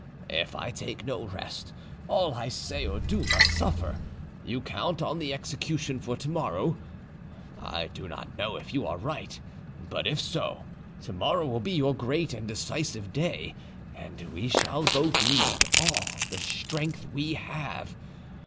If I take no rest, all I say or do must suffer. You count on the execution for tomorrow; I do not know if you are right; but if so, to morrow will be your great and decisive day, and we shall both need all the strength we have.